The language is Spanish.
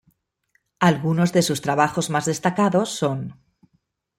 Algunos de sus trabajos más destacados son